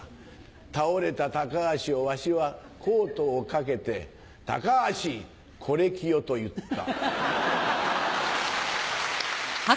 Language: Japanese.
倒れた高橋をわしはコートをかけて「高橋！コレキヨ」と言った。